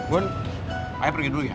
bun ayo pergi dulu ya